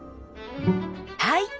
はい！